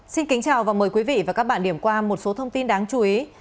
xin kính chào và mời quý vị và các bạn điểm qua một số thông tin đáng chú ý